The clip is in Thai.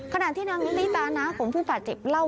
ขนาดที่นางนิริตานะของผู้ป่าเจ็บเหล้า